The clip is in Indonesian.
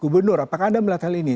gubernur apakah anda melihat hal ini